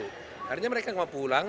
akhirnya mereka mau pulang